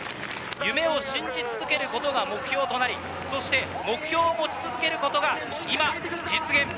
夢を信じ続けることが目標となり、そして目標持ち続けることが今、実現。